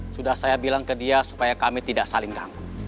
sudah saya bilang ke dia supaya kami tidak saling ganggu